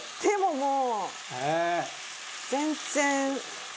もう。